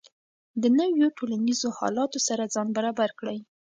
د نویو ټولنیزو حالاتو سره ځان برابر کړئ.